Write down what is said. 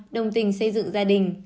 đồng tình xây dựng gia đình